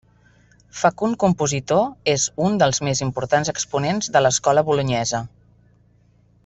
Fecund compositor, és un dels més importants exponents de l'escola bolonyesa.